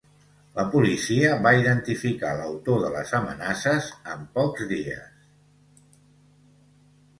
La policia va identificar l’autor de les amenaces en pocs dies.